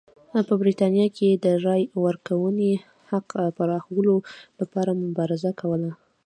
په برېټانیا کې یې د رایې ورکونې حق پراخولو لپاره مبارزه کوله.